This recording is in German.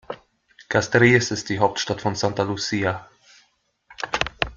Castries ist die Hauptstadt von St. Lucia.